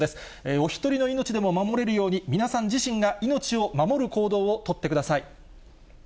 お一人の命でも守れるように、皆さん自身が命を守る行動を取ってください。